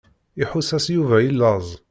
Iḥuss-as Yuba i laẓ.